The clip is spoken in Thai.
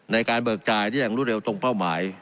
ในการเบิกจ่ายได้อย่างรวดเร็วตรงเป้าหมาย